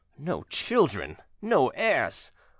No children! no heirs!